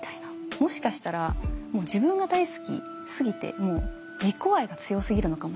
もしかしたらもう自分が大好きすぎてもう自己愛が強すぎるのかもしれない。